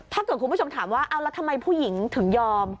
คุณผู้ชมถามว่าเอาแล้วทำไมผู้หญิงถึงยอม